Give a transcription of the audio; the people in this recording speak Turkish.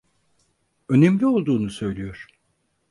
Önemli olduğunu söylüyor.